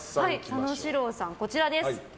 佐野史郎さん、こちらです。